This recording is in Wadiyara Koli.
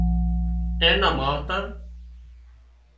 اين نان ماوتر